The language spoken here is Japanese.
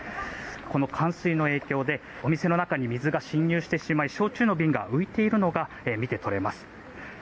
この冠水の影響でお店の中に水が侵入してしまい焼酎の瓶が浮いているのが見て取れます。